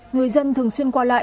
người dân thường xuyên qua lại